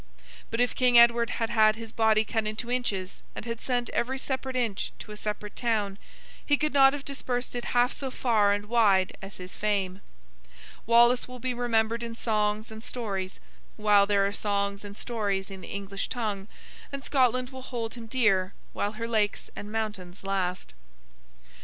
But, if King Edward had had his body cut into inches, and had sent every separate inch into a separate town, he could not have dispersed it half so far and wide as his fame. Wallace will be remembered in songs and stories, while there are songs and stories in the English tongue, and Scotland will hold him dear while her lakes and mountains last.